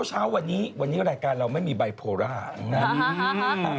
เช้าวันนี้วันนี้รายการเราไม่มีบายโพล่ร้าน